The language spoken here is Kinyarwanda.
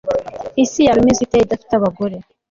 Isi yaba imeze ite idafite abagore